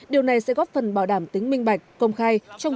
điều này sẽ góp phần bảo đảm cho các nhà đầu tư lắp đặt thu phí không dừng